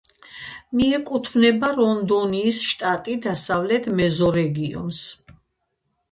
მიეკუთვნება რონდონიის შტატის დასავლეთ მეზორეგიონს.